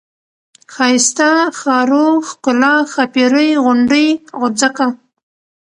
ښايسته ، ښارو ، ښکلا ، ښاپيرۍ ، غونډۍ ، غورځکه ،